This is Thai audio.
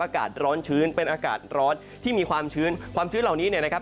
อากาศร้อนชื้นเป็นอากาศร้อนที่มีความชื้นความชื้นเหล่านี้เนี่ยนะครับ